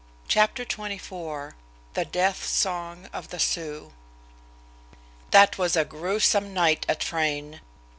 CHAPTER XXIV THE DEATH SONG OF THE SIOUX That was a gruesome night at Frayne.